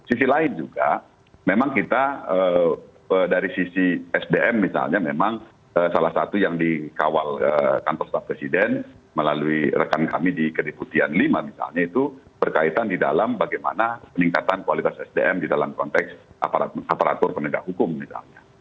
sisi lain juga memang kita dari sisi sdm misalnya memang salah satu yang dikawal kantor staf presiden melalui rekan kami di kediputian lima misalnya itu berkaitan di dalam bagaimana peningkatan kualitas sdm di dalam konteks aparatur penegak hukum misalnya